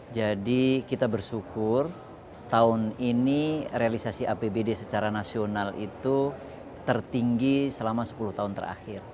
jadi kita bersyukur tahun ini realisasi apbd secara nasional itu tertinggi selama sepuluh tahun terakhir